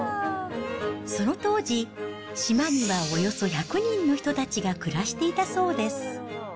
その当時、島にはおよそ１００人の人たちが暮らしていたそうです。